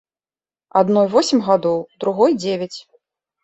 Адной восем гадоў, другой дзевяць.